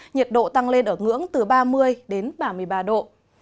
nhiệt độ tăng lên ở ngưỡng từ ba mươi đến ba mươi ba độ